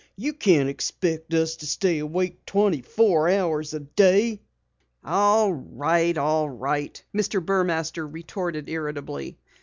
You can't expect us to stay awake twenty four hours a day!" "All right, all right," Mr. Burmaster retorted irritably.